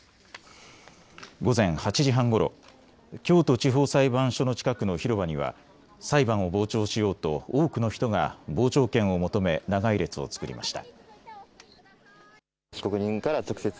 午前８時半ごろ、京都地方裁判所の近くの広場には裁判を傍聴しようと多くの人が傍聴券を求め長い列を作りました。